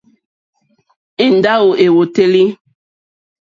Èndáwò èwòtélì.